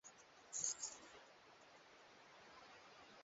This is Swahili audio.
Hutumika ili isaidie kuupa nguvu mfumo wa kinga na kuondoa sumu mwilini